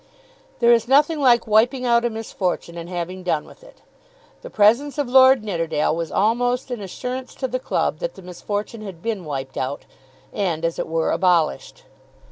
There is nothing like wiping out a misfortune and having done with it. The presence of Lord Nidderdale was almost an assurance to the club that the misfortune had been wiped out, and, as it were, abolished.